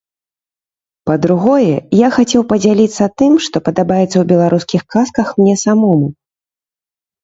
Па-другое, я хацеў падзяліцца тым, што падабаецца ў беларускіх казках мне самому.